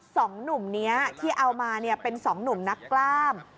สองหนุ่มนี้ที่เอามาเป็นสองหนุ่มนักกล้าม